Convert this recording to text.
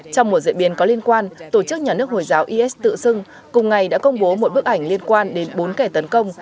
trong một diễn biến có liên quan tổ chức nhà nước hồi giáo is tự xưng cùng ngày đã công bố một bức ảnh liên quan đến bốn kẻ tấn công